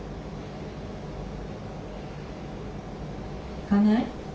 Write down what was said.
行かない？